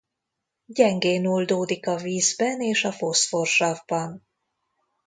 Gyengén oldódik a vízben és a foszforsavban.